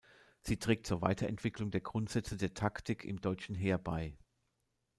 Sie trägt zur Weiterentwicklung der Grundsätze der Taktik im deutschen Heer bei.